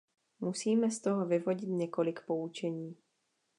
Musíme z toho vyvodit několik poučení.